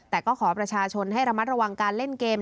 แต่ก็ขอประชาชนให้ระมัดระวังการเล่นเกม